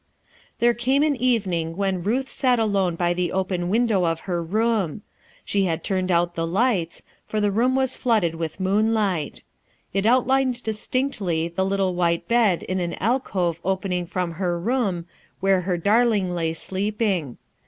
There came an evening when Ruth sat alone by the open window of her room. She had turned out the lights, for the room was flooded with moonlight. It outlined distinctly the little white bed in an alcove opening from her room, where her darling lay sleeping.